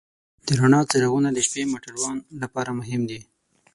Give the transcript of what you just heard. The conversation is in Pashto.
د رڼا څراغونه د شپې موټروان لپاره مهم دي.